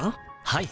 はい。